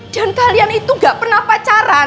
dan kalian itu tidak pernah pacaran